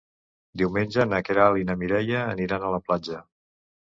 Diumenge na Queralt i na Mireia aniran a la platja.